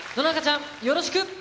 乃々佳ちゃん、よろしく。